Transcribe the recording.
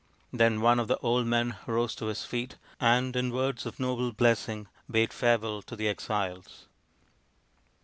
Then one of the old men rose to his feet and in words of noble blessing bade farewell to the exiles.